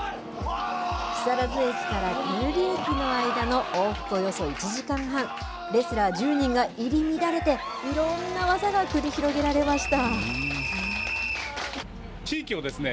木更津駅から久留里駅の間の往復およそ１時間半、レスラー１０人が入り乱れて、いろんな技が繰り広げられました。